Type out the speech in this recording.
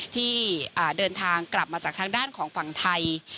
ที่เดินทางกลับมาจากทางด้านของฝั่งไทย